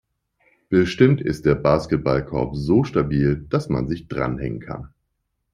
Bestimmt ist der Basketballkorb so stabil, dass man sich dranhängen kann.